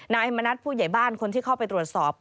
นายมณัฐผู้ใหญ่บ้านคนที่เข้าไปตรวจสอบ